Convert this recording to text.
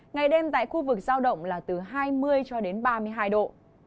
ngày đêm tại khu vực giao động là từ hai mươi cho đến ba mươi hai độ